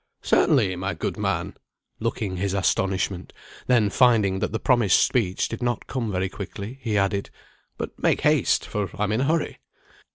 "Certainly, my good man," looking his astonishment; then finding that the promised speech did not come very quickly, he added, "But make haste, for I'm in a hurry."